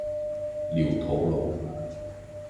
寮肚路